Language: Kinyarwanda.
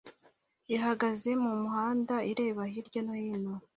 ihagaze mumuhanda ireba hirya no hino